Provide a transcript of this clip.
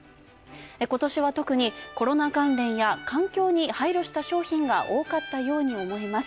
ことしは特にコロナ関連や環境に配慮した商品が多かったように思います。